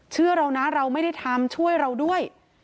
เชื่อเรานะเราไม่ได้ทำช่วยเราด้วย